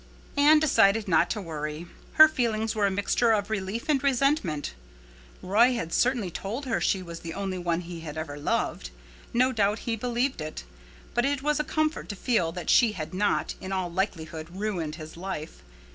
Anne decided not to worry. Her feelings were a mixture of relief and resentment. Roy had certainly told her she was the only one he had ever loved. No doubt he believed it. But it was a comfort to feel that she had not, in all likelihood, ruined his life.